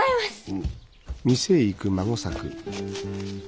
うん。